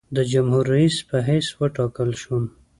د جمهورریس په حیث وټاکل شوم.